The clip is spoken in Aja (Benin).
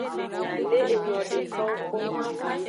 Miale enyo dekawo kpo.